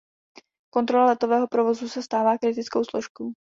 Kontrola letového provozu se stává kritickou složkou.